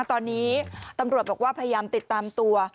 ตอนนี้ตำรวจบอกว่าพยายามติดตามตัว